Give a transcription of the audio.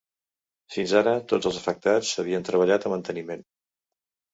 Fins ara tots els afectats havien treballat a manteniment.